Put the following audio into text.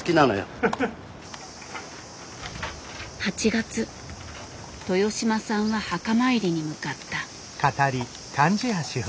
８月豊島さんは墓参りに向かった。